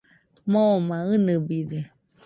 Moma inɨbide.